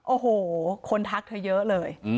โอ้โหคนทักเธอเยอะเลย